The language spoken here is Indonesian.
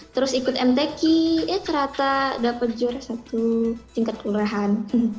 terus ikut mtec i ya ternyata dapat juara satu tingkat kelurahan